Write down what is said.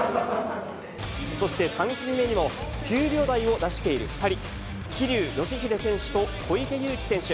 そして、３組目にも、９秒台を出している２人、桐生祥秀選手と小池祐貴選手。